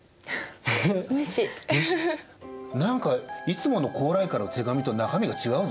何かいつもの高麗からの手紙と中身が違うぞと。